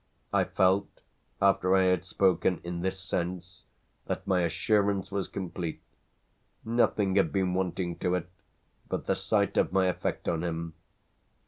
I felt after I had spoken in this sense that my assurance was complete; nothing had been wanting to it but the sight of my effect on him.